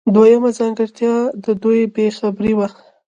دویمه ځانګړتیا د دوی بې خبري ده.